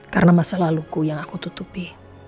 karena masa laluku yang aku tutupi